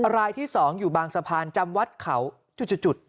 รายที่๒อยู่บางสะพานจำวัดเขาจุด